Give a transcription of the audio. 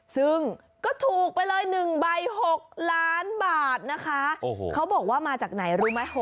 ซึ่งก็ถูกไปเลย๑ใบ๖ล้านบาทนะคะเขาบอกว่ามาจากไหนรู้ไหม